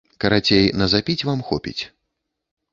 Карацей, на запіць вам хопіць.